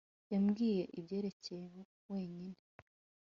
yambwiye ibyerekeye wenyine